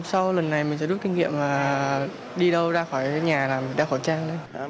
sau lần này mình sẽ rút kinh nghiệm là đi đâu ra khỏi nhà là mình đeo khẩu trang đấy